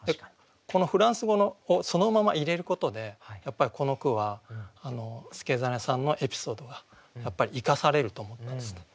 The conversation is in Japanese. このフランス語をそのまま入れることでやっぱりこの句は祐真さんのエピソードがやっぱり生かされると思ったんです。